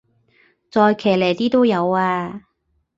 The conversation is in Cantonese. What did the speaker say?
再騎呢啲都有啊